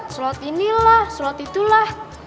sholat inilah sholat itulah